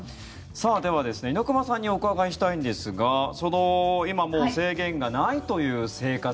では、猪熊さんにお伺いしたいんですが今、制限がないという生活